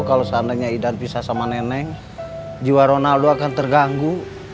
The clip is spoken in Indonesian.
kalau seandainya idan pisah sama neneng jiwa ronaldo akan terganggu